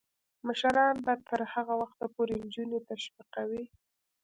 مشران به تر هغه وخته پورې نجونې تشویقوي.